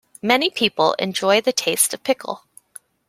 Many people enjoy the taste of pickle.